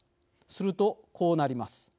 すると、こうなります。